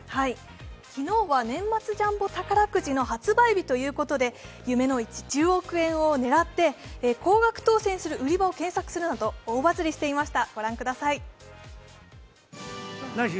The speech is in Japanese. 昨日は年末ジャンボ宝くじの発売日ということで夢の１０億円を狙って高額当選する売り場を検索するなど大バズリしていました。